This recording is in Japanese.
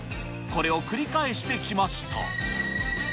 これを繰り返してきました。